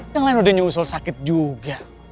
yang lain udah nyusul sakit juga